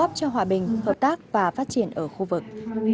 hội nghị góp cho hòa bình hợp tác và phát triển ở khu vực